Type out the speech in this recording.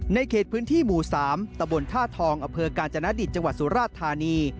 เขตพื้นที่หมู่๓ตะบนท่าทองอำเภอกาญจนดิตจังหวัดสุราชธานี